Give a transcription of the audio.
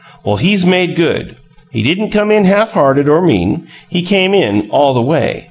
Well, he's made good. He didn't come in half hearted or mean; he came in all the way!